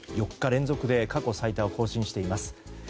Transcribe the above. ４日連続で過去最多を更新しています。